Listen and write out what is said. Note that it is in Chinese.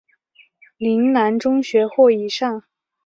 岭南中学或以上。